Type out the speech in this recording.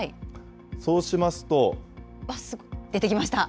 そうしま出てきました。